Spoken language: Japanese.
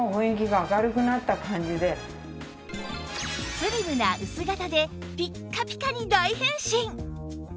スリムな薄型でピッカピカに大変身！